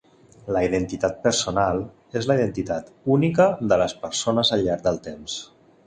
La identitat personal és la identitat única de les persones al llarg del temps.